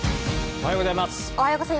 おはようございます。